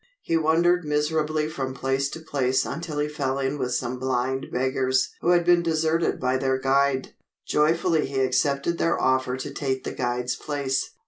He wandered miserably from place to place until he fell in with some blind beggars who had been deserted by their guide. Joyfully he accepted their offer to take the guide's place.